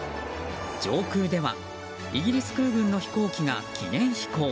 上空ではイギリス空軍の飛行機が記念飛行。